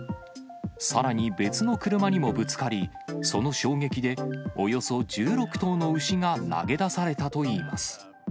さらに、別の車にもぶつかり、その衝撃でおよそ１６頭の牛が投げ出されたといいます。